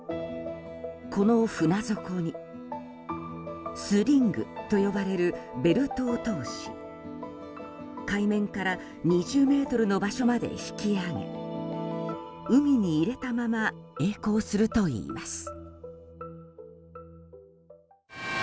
この船底に、スリングと呼ばれるベルトを通し海面から２０ｍの場所まで引き揚げ海に入れたまま曳航するといいます。